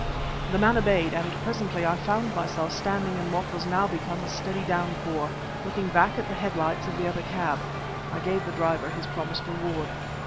The man obeyed, and presently I found myself standing in what was now become a steady downpour, looking back at the headlights of the other cab. I gave the driver his promised reward.